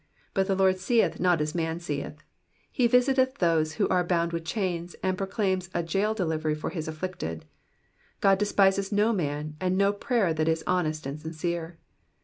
but the Lord seeth not as man seeth ; he visited those who are bound with chains, and proclaims a jail delivery for his afilicted. God despises no man, and no prayer that is honest and sincere.